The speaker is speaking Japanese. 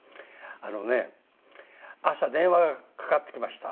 あのね朝電話がかかってきました。